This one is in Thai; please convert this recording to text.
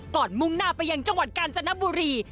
มุ่งหน้าไปยังจังหวัดกาญจนบุรี